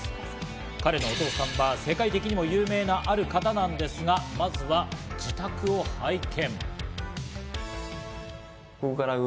彼のお父さんは世界的にも有名なある方なんですが、まずは自宅を拝見。